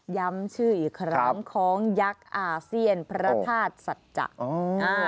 ย้ำชื่ออีกครั้งคล้องยักษ์อาเซียนพระธาตุสัจจักร